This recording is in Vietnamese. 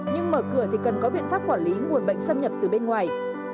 nhưng mở cửa thì cần có biện pháp quản lý nguồn bệnh xâm nhập từ bên ngoài